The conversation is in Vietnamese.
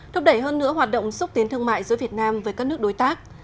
thúc đẩy hơn nữa hoạt động xúc tiến thương mại giữa việt nam với các nước đối tác